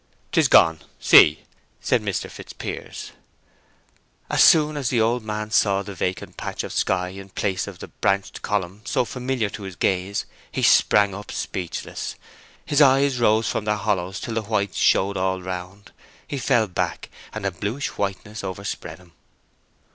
"'Tis gone, see," said Mr. Fitzpiers. As soon as the old man saw the vacant patch of sky in place of the branched column so familiar to his gaze, he sprang up, speechless, his eyes rose from their hollows till the whites showed all round; he fell back, and a bluish whiteness overspread him.